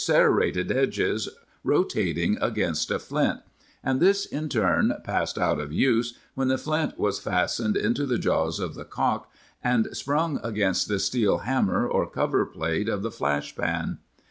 119 ] The Private Soldier Under Washington edges, rotating against a flint, and tliis in turn passed out of use when the flint was fastened into the jaws of the cock and sprung against the steel hammer or cover plate of the flash pan.